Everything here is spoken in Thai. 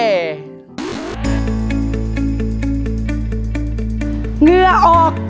เหงื่อออก